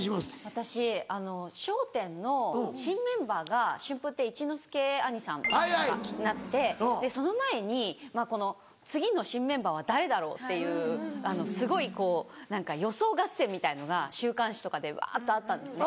私『笑点』の新メンバーが春風亭一之輔兄さんがなってその前に次の新メンバーは誰だろうっていうすごい予想合戦みたいのが週刊誌とかでわっとあったんですね。